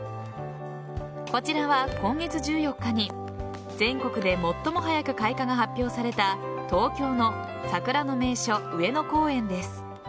こちらは今月１４日に全国で最も早く開花が発表された東京の桜の名所・上野公園です。